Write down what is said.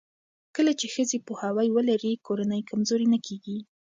کله چې ښځې پوهاوی ولري، کورنۍ کمزورې نه کېږي.